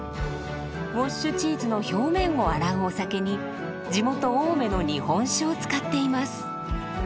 ウォッシュチーズの表面を洗うお酒に地元青梅の日本酒を使っています。